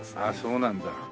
ああそうなんだ。